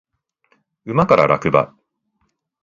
馬から落馬